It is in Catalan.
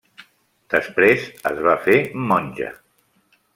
Després es va fer monja.